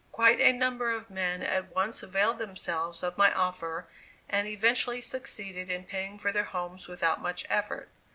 Quite a number of men at once availed themselves of my offer, and eventually succeeded in paying for their homes without much effort.